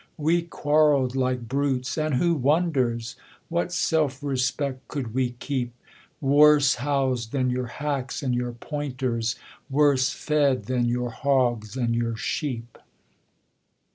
'We quarrelled like brutes, and who wonders? What self respect could we keep, Worse housed than your hacks and your pointers, Worse fed than your hogs and your sheep?